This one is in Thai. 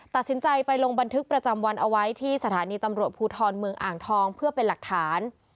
ตัดสินใจไปลงบันทึกประจำวันเอาไว้ที่สถานีตำรวจภูทรเมืองอ่างทองเพื่อเป็นหลักฐาน